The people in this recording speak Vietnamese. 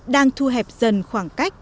đang thu hẹp dần khoảng cách